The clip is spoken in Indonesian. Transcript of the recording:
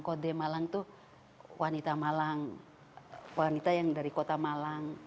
kode malang itu wanita malang wanita yang dari kota malang